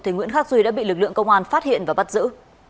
thì nguyễn khắc duy đã bị lực lượng công an phát hiện và bắt giữ